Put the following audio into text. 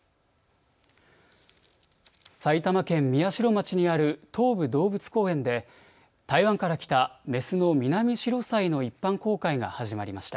埼玉県宮代町にある東武動物公園で台湾から来た雌のミナミシロサイの一般公開が始まりました。